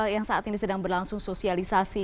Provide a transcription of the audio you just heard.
yang saat ini sedang berlangsung sosialisasi